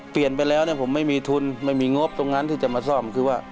เปลี่ยนไปแล้วเนี่ยผมไม่มีทุนไม่มีงบตรงนั้นที่จะมาซ่อมคือว่า